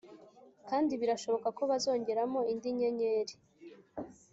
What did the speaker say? kandi birashoboka ko bazongeramo indi nyenyeri